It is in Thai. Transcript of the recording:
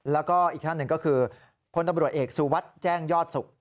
แล้วก็อีกท่านหนึ่งก็คือพลตำรวจเอกสุวัสดิ์แจ้งยอดสุข